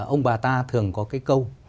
ông bà ta thường có câu